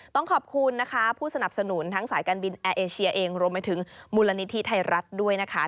ต้องขอบคุณนะคะผู้สนับสนุนทั้งสายการบินแอร์เอเชียเองรวมไปถึงมูลนิธิไทยรัฐด้วยนะคะ